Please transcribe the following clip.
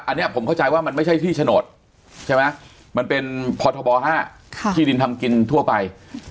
อันนี้ผมเข้าใจว่ามันไม่ใช่ที่โฉนดใช่ไหมมันเป็นพทบ๕ที่ดินทำกินทั่วไป